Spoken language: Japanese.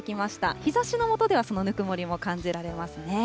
日ざしの下では、そのぬくもりも感じられますね。